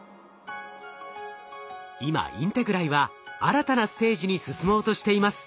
今ＩｎｔｅｇｒＡＩは新たなステージに進もうとしています。